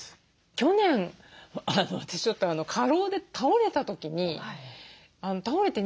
去年私ちょっと過労で倒れた時に倒れて入院したらですね